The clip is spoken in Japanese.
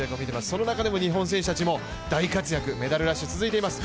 その中でも日本選手たちも大活躍、メダルラッシュが続いています。